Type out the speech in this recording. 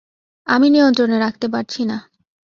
আমি নিয়ন্ত্রণে রাখতে পারছি না।